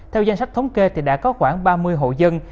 theo danh sách thống kê thì đã có khoảng ba mươi hộ dân